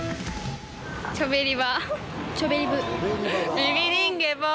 チョベリバ。